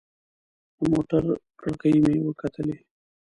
له موټر کړکۍ مې وکتلې.